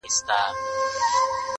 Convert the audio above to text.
ماسومان ترې وېرېږي تل,